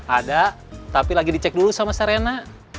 ada tapi lagi dicek dulu sama sarena